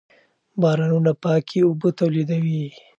بارانونه پاکې اوبه تولیدوي.